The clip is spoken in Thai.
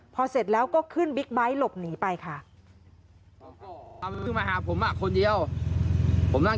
พอเสร็จแล้วก็ขึ้นบิ๊กไบท์หลบหนีไปค่ะ